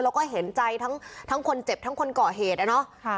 เราก็เห็นใจทั้งทั้งคนเจ็บทั้งคนเกาะเหตุอ่ะเนอะค่ะ